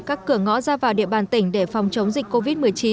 các cửa ngõ ra vào địa bàn tỉnh để phòng chống dịch covid một mươi chín